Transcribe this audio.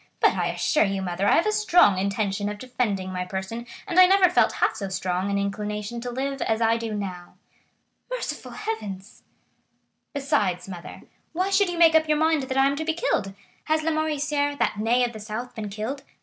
"But I assure you, mother, I have a strong intention of defending my person, and I never felt half so strong an inclination to live as I do now." "Merciful Heavens!" "Besides, mother, why should you make up your mind that I am to be killed? Has Lamoricière, that Ney of the South, been killed?